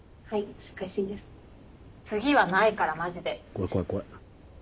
怖い怖い怖い。